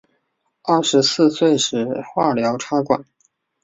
二十四岁时化疗插管